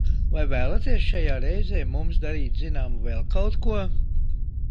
Vai vēlaties šajā reizē mums darīt zināmu vēl kaut ko?